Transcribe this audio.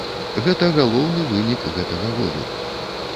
Гэта галоўны вынік гэтага году.